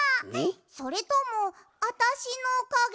それともあたしのかげ？